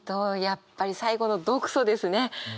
やっぱり最後の「毒素」ですね。